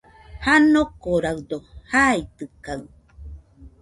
Janokoraɨdo jaitɨkaɨ.